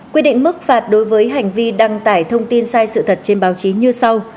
quy định mức phạt đối với hành vi đăng tải thông tin sai sự thật trên báo chí như sau